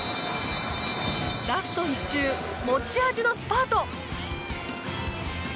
ラスト１周、持ち味のスパート。